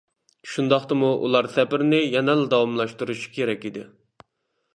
شۇنداقتىمۇ ئۇلار سەپىرىنى يەنىلا داۋاملاشتۇرۇشى كېرەك ئىدى.